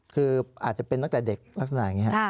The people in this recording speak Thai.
คืออาจจะเป็นตั้งแต่เด็กลักษณะอย่างนี้